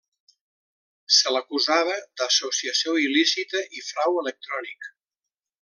Se l'acusava d'associació il·lícita i frau electrònic.